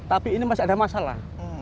tapi ini masih ada masalah